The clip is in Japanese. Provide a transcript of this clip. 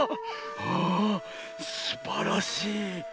あぁすばらしい。